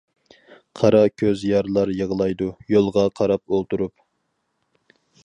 قارا كۆز يارلار يىغلايدۇ، يولغا قاراپ ئولتۇرۇپ.